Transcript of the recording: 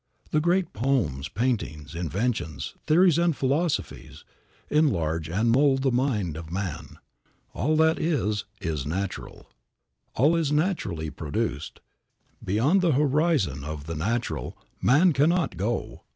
The great poems, paintings, inventions, theories and philosophies, enlarge and mould the mind of man. All that is is natural. All is naturally produced. Beyond the horizon of the natural man cannot go.